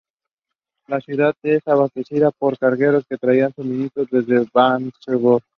La ciudad era abastecida por cargueros que traían los suministros desde Vancouver.